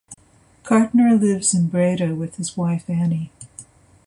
Kartner lives in Breda with his wife Annie.